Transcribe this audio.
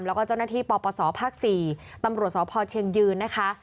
แล้วก็เจ้าหน้าที่ปปศภาค๔ตำรวจสพเชียงยืนนะคะ